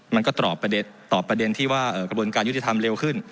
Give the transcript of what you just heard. มันก็ตอบประเด็นที่ว่ากระบวนการยุติธรรมเร็วขึ้น